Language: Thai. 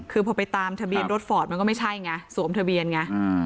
คือพอไปตามทะเบียนรถฟอร์ตมันก็ไม่ใช่ไงสวมทะเบียนไง